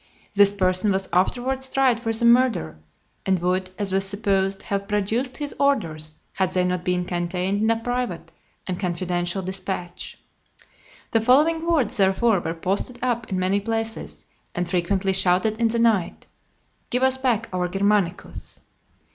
This person was afterwards tried for the murder, and would, as was supposed, have produced his orders, had they not been contained in a private and confidential dispatch. The following words therefore were posted up in many places, and frequently shouted in the night: "Give us back our Germanicus."